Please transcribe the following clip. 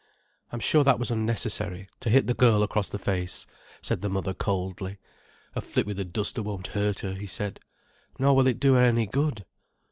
"I'm sure that was unnecessary—to hit the girl across the face," said the mother coldly. "A flip with the duster won't hurt her," he said. "Nor will it do her any good."